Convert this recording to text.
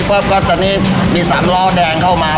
เพิ่มก็ตอนนี้มีศรำร้อแดงเข้ามา